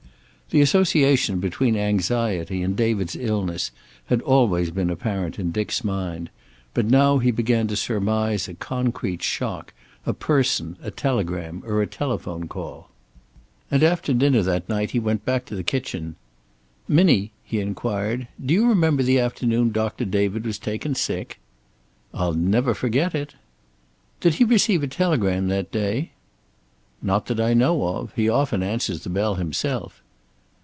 The association between anxiety and David's illness had always been apparent in Dick's mind, but now he began to surmise a concrete shock, a person, a telegram, or a telephone call. And after dinner that night he went back to the kitchen. "Minnie," he inquired, "do you remember the afternoon Doctor David was taken sick?" "I'll never forget it." "Did he receive a telegram that day?" "Not that I know of. He often answers the bell himself."